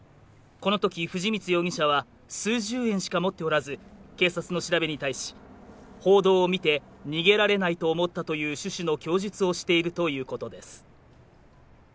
このとき藤光容疑者は数十円しか持っておらず警察の調べに対し報道を見て逃げられないと思ったという趣旨の供述をしているということです